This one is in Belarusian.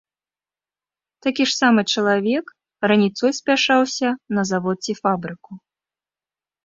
Такі ж самы чалавек раніцой спяшаўся на завод ці фабрыку.